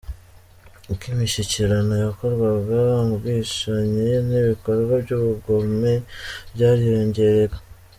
Uko imishyikirano yakorwaga, ubwicanyi n’ibikorwa by’ubugome byariyongeraga.